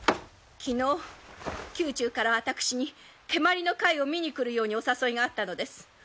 昨日宮中から私に蹴鞠の会を見に来るようにお誘いがあったのです。